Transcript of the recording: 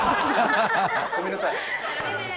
ごめんなさい。